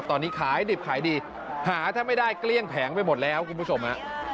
ตอนนี้ขายดิบขายดีหาแทบไม่ได้เกลี้ยงแผงไปหมดแล้วคุณผู้ชมฮะ